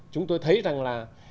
chúng tôi thấy rằng là